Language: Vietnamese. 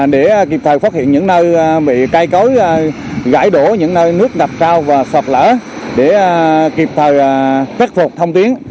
để kịp thời phát hiện những nơi bị cây cối gãy đổ những nơi nước ngập cao và sọp lở để kịp thời khắc phục thông tuyến